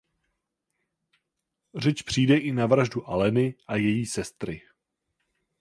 Řeč přijde i na vraždu Aleny a její sestry.